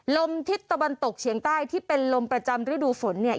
ลมทิศตะวันตกเฉียงใต้ที่เป็นลมประจำฤดูฝนเนี่ย